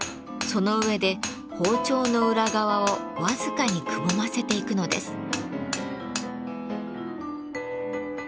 その上で包丁の裏側を僅かにくぼませていくのです。